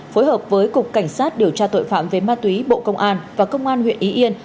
phối hợp với cục cảnh sát điều tra tội phạm về ma túy bộ công an và công an huyện ý yên